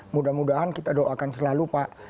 mudah mudahan kita doakan selalu pak